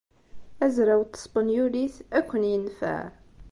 Azraw n tespenyulit ad ken-yenfeɛ.